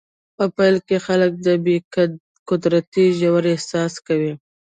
په پیل کې خلک د بې قدرتۍ ژور احساس کوي.